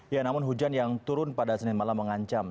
ya namun hujan yang turun pada senin malam mengancam